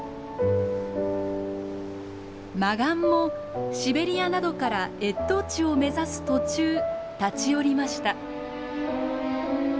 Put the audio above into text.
マガンもシベリアなどから越冬地を目指す途中立ち寄りました。